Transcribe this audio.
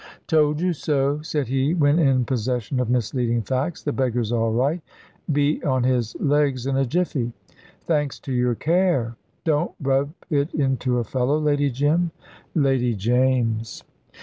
"Told you so," said he, when in possession of misleading facts: "the beggar's all right be on his legs in a jiffy." "Thanks to your care." "Don't rub it into a fellow, Lady Jim!" "Lady James!"